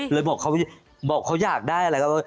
เลยบอกเขาอยากได้